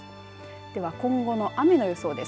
では今後の雨の予想です。